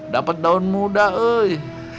dapet daun muda oi